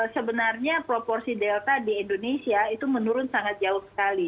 sebenarnya proporsi delta di indonesia itu menurun sangat jauh sekali